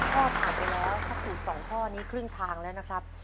ข้อผ่านไปแล้วถ้าถูก๒ข้อนี้ครึ่งทางแล้วนะครับ